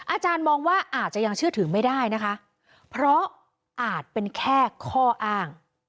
อาจารย์มองว่าอาจจะยังเชื่อถือไม่ได้นะคะเพราะอาจเป็นแค่ข้ออ้าง